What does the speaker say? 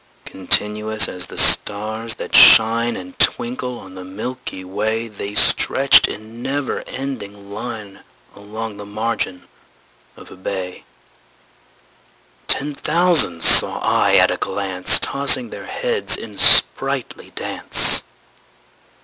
Continuous as the stars that shine And twinkle on the milky way, The stretched in never ending line Along the margin of a bay: Ten thousand saw I at a glance, Tossing their heads in sprightly dance.